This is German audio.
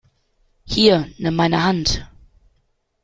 Hier, nimm meine Hand!